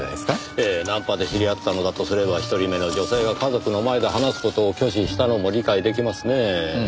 ええナンパで知り合ったのだとすれば一人目の女性が家族の前で話す事を拒否したのも理解出来ますねぇ。